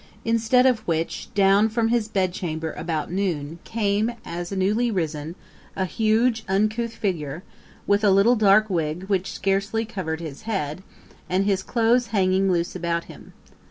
Instead of which, down from his bedchamber, about noon, came, as newly risen, a huge uncouth figure, with a little dark wig which scarcely covered his head, and his clothes hanging loose about him.